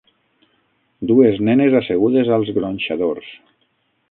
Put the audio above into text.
Dues nenes assegudes als gronxadors.